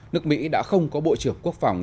nước mỹ đã không có bộ trưởng quốc phòng